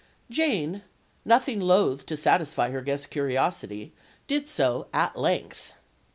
Jane, nothing loath to satisfy her guest's curiosity, did so at length.